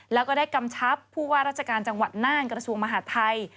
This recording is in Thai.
แล้วก็ได้กำชับผู้ว่าราชการจังหวัดน่านกระทรวงมหาดไทย